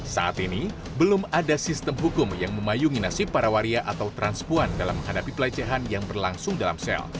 saat ini belum ada sistem hukum yang memayungi nasib para waria atau transpuan dalam menghadapi pelecehan yang berlangsung dalam sel